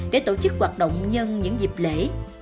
để tổ chức hoạt động nhân những dịp lễ